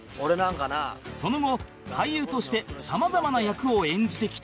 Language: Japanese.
その後俳優としてさまざまな役を演じてきた